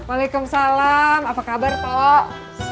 waalaikumsalam apa kabar poh